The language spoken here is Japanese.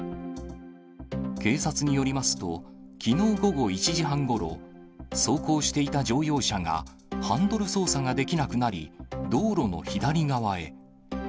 警察によりますと、きのう午後１時半ごろ、走行していた乗用車がハンドル操作ができなくなり、道路の左側へ。